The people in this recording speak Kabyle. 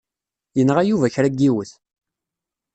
Yenɣa Yuba kra n yiwet.